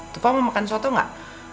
tufa mau makan soto gak